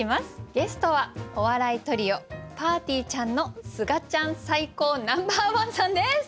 ゲストはお笑いトリオぱーてぃーちゃんのすがちゃん最高Ｎｏ．１さんです。